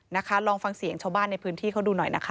นะคะลองฟังเสียงชาวบ้านในพื้นที่เขาดูหน่อยนะคะ